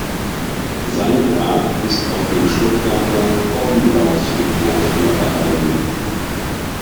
Sein Grab ist auf dem Stuttgarter Hoppenlaufriedhof noch erhalten.